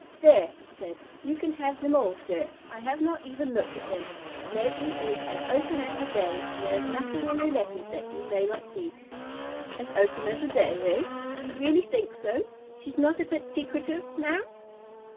"There," he said, "you can have them all, sir. I have not even looked at them. Leslie is as open as the day, and there is nothing in her letters that you may not see." "As open as the day—eh? You really think so. She's not a bit secretive, now?"